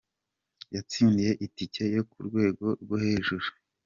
Yatsindiye itike yo ku rwego rwo hejuru,.